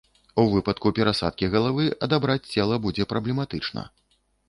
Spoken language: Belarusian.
У выпадку перасадкі галавы адабраць цела будзе праблематычна.